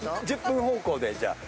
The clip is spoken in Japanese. １０分方向でじゃあ。